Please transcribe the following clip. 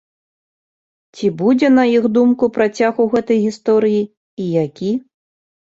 Ці будзе на іх думку працяг у гэтай гісторыі і які?